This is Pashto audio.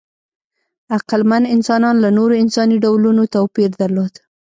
عقلمن انسانان له نورو انساني ډولونو توپیر درلود.